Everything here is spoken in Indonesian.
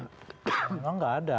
memang gak ada